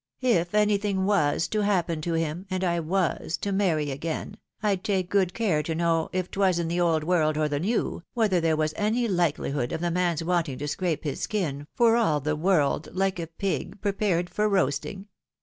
If anything was to happen to him, and I was to marry again, I'd take good care to know, if 'twas in the old world or the new, whether there was any likehhood of the man's wanting to scrape his skin, for all the world hke a pig prepared for roasting.